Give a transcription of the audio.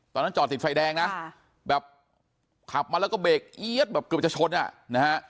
ตอนนั้นจอดติดไฟแดงนะแบบขับมาแล้วก็เบรกเกือบจะชนอ่ะนะฮะ